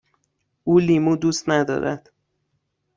او لیمو دوست ندارد.